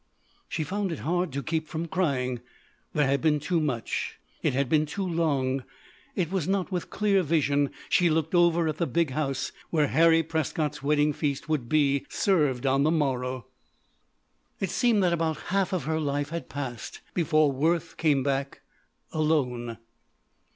She found it hard to keep from crying. There had been too much. It had been too long. It was not with clear vision she looked over at the big house where Harry Prescott's wedding feast would be served on the morrow. It seemed that about half of her life had passed before Worth came back alone.